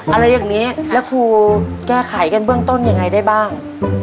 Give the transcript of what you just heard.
อะไรอย่างนี้แล้วครูแก้ไขกันเบื้องต้นยังไงได้บ้าง